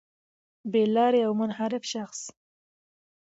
بې لاري او منحرف شخص